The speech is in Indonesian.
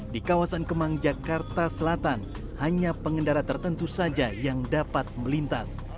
di kawasan kemang jakarta selatan hanya pengendara tertentu saja yang dapat melintas